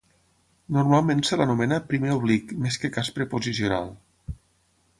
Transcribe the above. Normalment se l'anomena "primer oblic", més que cas preposicional.